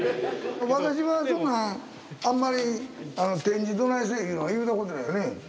私はそんなんあんまり展示どないせいいうのは言うたことないよね？